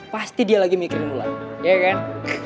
pasti dia lagi mikirin bulan iya kan